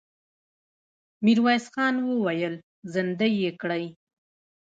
ميرويس خان وويل: زندۍ يې کړئ!